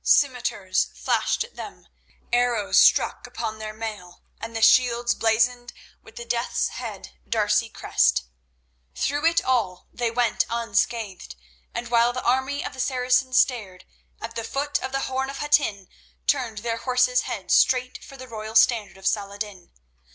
Scimitars flashed at them, arrows struck upon their mail and the shields blazoned with the Death's head D'Arcy crest. Through it all they went unscathed, and while the army of the Saracens stared, at the foot of the Horn of Hattin turned their horses' heads straight for the royal standard of Saladin.